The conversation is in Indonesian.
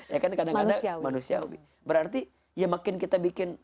ya kan kadang kadang manusiawi berarti ya makin kita bikin